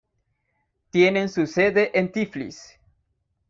Tienen su sede en Tiflis.